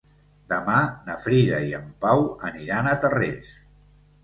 Demà na Frida i en Pau aniran a Tarrés.